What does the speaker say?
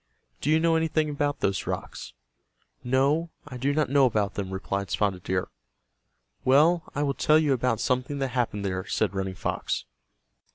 Do you know anything about those rocks?" "No, I do not know about them," replied Spotted Deer. "Well, I will tell you about something that happened there," said Running Fox.